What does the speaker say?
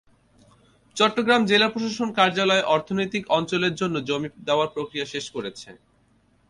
চট্টগ্রাম জেলা প্রশাসন কার্যালয় অর্থনৈতিক অঞ্চলের জন্য জমি দেওয়ার প্রক্রিয়া শেষ করেছে।